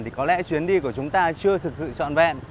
thì có lẽ chuyến đi của chúng ta chưa thực sự trọn vẹn